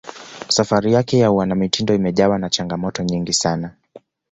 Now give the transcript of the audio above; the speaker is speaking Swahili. safari yake ya uanamitindo imejawa na changamoto nyingi sana